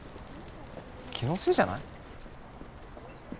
気のせいじゃない？